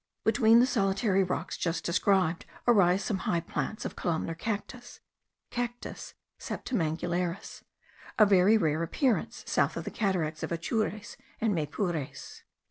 Between the solitary rocks just described arise some high plants of columnar cactus (Cactus septemangularis), a very rare appearance south of the cataracts of Atures and Maypures.